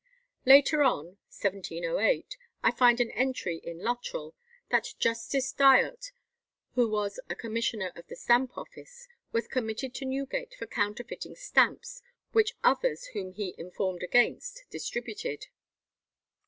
Later on (1708) I find an entry in "Luttrell" that Justice Dyot, who was a commissioner of the Stamp office, was committed to Newgate for counterfeiting stamps, which others whom he informed against distributed.